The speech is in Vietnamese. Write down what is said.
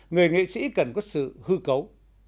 người nghệ sĩ cần có sự hư cấu